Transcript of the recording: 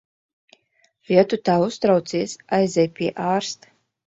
Ja tu tā uztraucies, aizej pie ārsta.